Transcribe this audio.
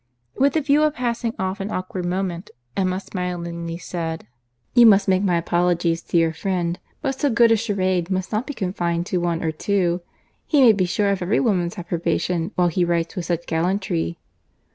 With the view of passing off an awkward moment, Emma smilingly said, "You must make my apologies to your friend; but so good a charade must not be confined to one or two. He may be sure of every woman's approbation while he writes with such gallantry."